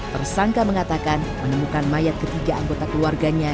tersangka mengatakan menemukan mayat ketiga anggota keluarganya